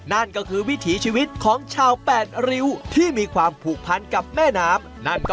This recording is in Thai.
นั่นก็คือวิถีชีวิตของชาวแปดริ้วที่มีความผูกพันกับแม่น้ำนั่นก็